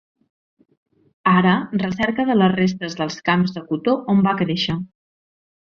Ara recerca de les restes dels camps de cotó on va créixer.